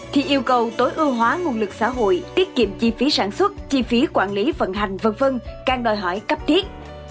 thì yêu cầu tối ưu hóa nguồn lực xã hội tiết kiệm chi phí sản xuất chi phí quản lý vận hành v v càng đòi hỏi cấp thiết